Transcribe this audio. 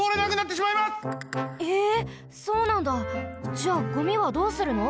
じゃあゴミはどうするの？